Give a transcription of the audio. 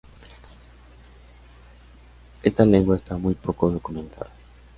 Esta lengua está muy poco documentada.